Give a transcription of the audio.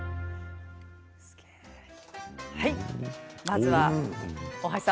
まずは大橋さん